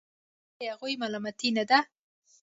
دا د هغوی ملامتي نه ده.